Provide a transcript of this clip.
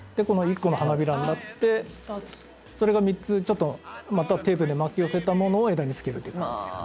この１個の花びらになってそれが３つちょっとまたテープで巻き寄せたものを枝に付けるという感じ。